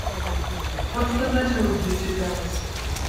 What's the matter with you two guys?